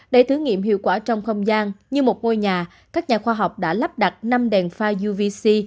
để thử nghiệm hiệu quả trong không gian như một ngôi nhà các nhà khoa học đã lắp đặt năm đèn pha youvc